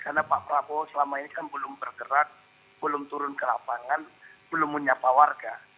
karena pak prabowo selama ini kan belum bergerak belum turun ke lapangan belum menyapa warga